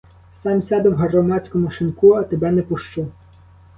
Сам сяду в громадському шинку, а тебе не пущу.